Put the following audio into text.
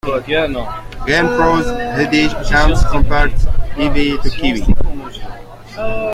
"GamePro"s Heidi Kemps compared "Ivy the Kiwi?